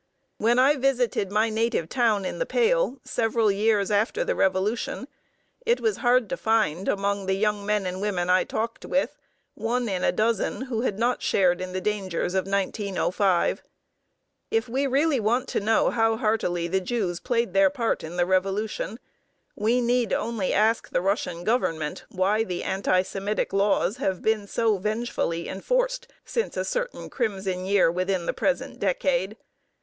When I visited my native town in the Pale, several years after the revolution, it was hard to find, among the young men and women I talked with, one in a dozen who had not shared in the dangers of 1905. If we really want to know how heartily the Jews played their part in the revolution, we need only ask the Russian Government why the anti Semitic laws have been so vengefully enforced since a certain crimson year within the present decade.